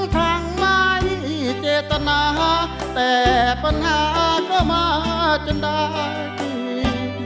ทั้งไม่เจตนาแต่ปัญหาก็มาจนได้ที